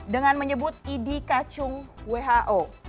dengan menyebut idk cung who